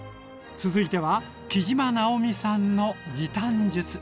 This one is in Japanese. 続いては杵島直美さんの時短術！